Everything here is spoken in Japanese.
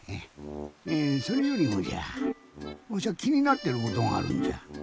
えぇそれよりもじゃぁわしゃきになってることがあるんじゃ。